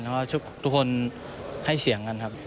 และทุกคนให้เสียงกันครับ